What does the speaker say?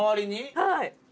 はい。